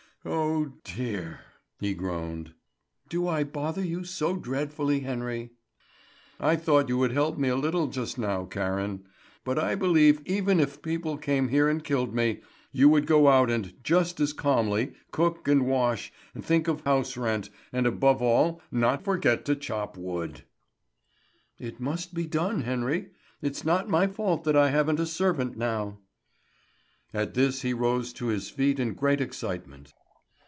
"Oh, dear!" he groaned. "Do I bother you so dreadfully, Henry?" "I thought you would help me a little just now, Karen; but I believe even if people came here and killed me, you would go out and in just as calmly, cook and wash, think of house rent, and above all not forget to chop wood." "It must be done, Henry. It's not my fault that I haven't a servant now." At this he rose to his feet in great excitement.